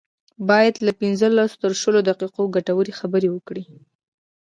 بايد له پنځلسو تر شلو دقيقو ګټورې خبرې وکړي.